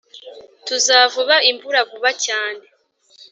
Tuzavuba imvura vuba cyane